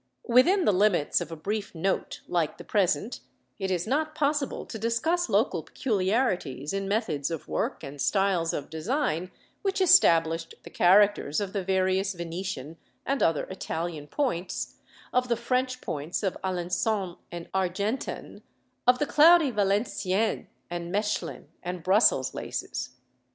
Within the limits of a brief note like the present, it is not possible to discuss local peculiarities in methods of work and styles of design which established the characters of the various Venetian and other Italian points, of the French points of Alençon and Argentan, of the cloudy Valenciennes, Mechlin, and Brussels laces.